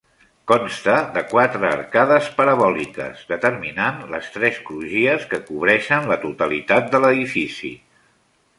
Consta de quatre arcades parabòliques, determinant les tres crugies que cobreixen la totalitat de l'edifici.